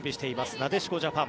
なでしこジャパン。